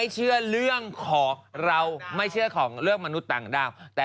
เชื่อรึยังว่า